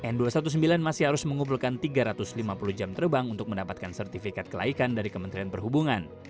n dua ratus sembilan belas masih harus mengumpulkan tiga ratus lima puluh jam terbang untuk mendapatkan sertifikat kelaikan dari kementerian perhubungan